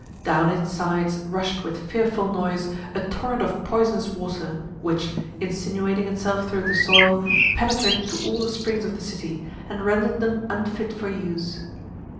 Down its sides rushed with fearful noise a torrent of poisonous water, which, insinuating itself through the soil, penetrated to all the springs of the city, and rendered them unfit for use.